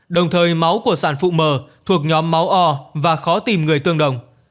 đồng thời máu của sản phụ mờ thuộc nhóm máu o và khó tìm người tương đồng